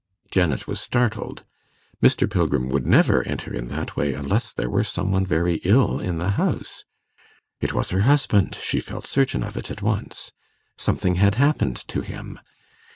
Janet was startled. Mr. Pilgrim would never enter in that way unless there were some one very ill in the house. It was her husband; she felt certain of it at once. Something had happened to him.